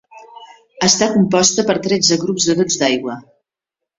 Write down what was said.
Està composta per tretze grups de dolls d'aigua.